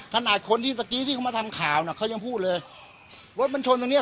ขนาดคนที่เมื่อกี้ที่เขามาทำข่าวน่ะเขายังพูดเลยรถมันชนตรงเนี้ย